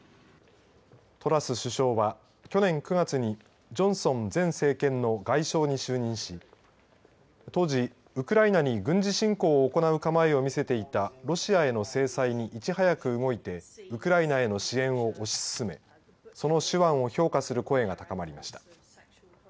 トラス首相は去年９月にジョンソン前政権の外相に就任し当時、ウクライナに軍事侵攻を行う構えを見せていたロシアへの制裁にいち早く動いてウクライナへの支援を推し進めその手腕を評価する声が高まりました。